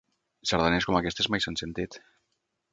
Sardanes com aquestes mai s'han sentit.